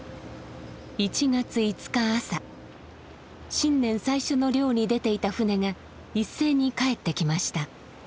新年最初の漁に出ていた船が一斉に帰ってきました。